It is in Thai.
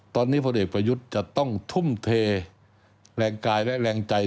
ตอนนี้พลเอกประยุทธ์จะต้องทุ่มเทแรงกายและแรงใจ